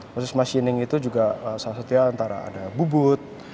proses machining itu juga salah satunya antara ada bubut